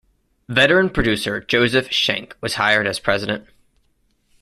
Veteran producer Joseph Schenck was hired as president.